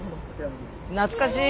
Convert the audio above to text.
懐かしい！